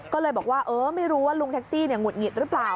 ก็เลยบอกว่าเออไม่รู้ว่าลุงแท็กซี่หงุดหงิดหรือเปล่า